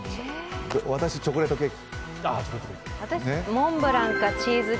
私、チョコレートケーキ。